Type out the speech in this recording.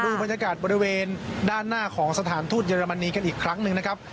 บรรยากาศบริเวณด้านหน้าของสถานทูตเยอรมนีกันอีกครั้งหนึ่งนะครับ